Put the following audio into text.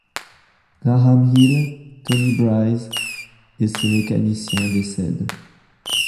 Graham Hill, Tony Brise et ses mécaniciens décèdent.